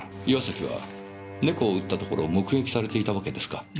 岩崎は猫を撃ったところを目撃されていたわけですか。